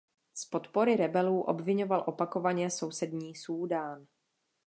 Z podpory rebelů obviňoval opakovaně sousední Súdán.